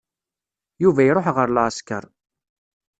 Yuba iruḥ ɣer leɛsker.